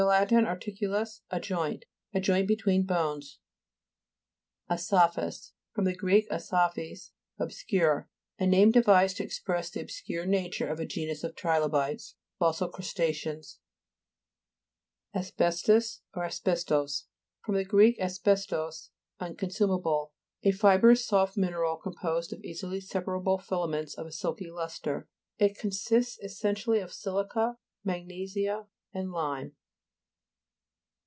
lat. articulus, a joint. A joint betwixt bones. A'SAPHUS fr. gr. asaphes, obscure. A name devised to express the ob scure nature of a genus of trilobites, fossil crustaceans (p. 28.) ASBF/STUS, or ASBESTOS fr. gr. asbestos, unconsumable. A fibrous soft mineral, composed of easily separable filaments of a silky lustre. It consists essentially of si'lica, mag nesia and lime.